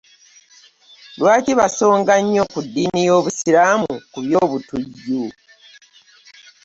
Lwaki basonga nnyo ku ddiini y'obusiraamu ku by'obutujju?